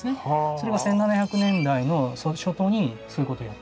それが１７００年代の初頭にそういうことやってる。